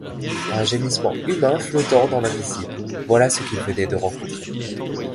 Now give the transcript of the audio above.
Un gémissement humain flottant dans l’invisible, voilà ce qu’il venait de rencontrer.